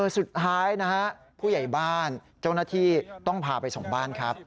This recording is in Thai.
สุดท้ายนะฮะผู้ใหญ่บ้านเจ้าหน้าที่ต้องพาไปส่งบ้านครับ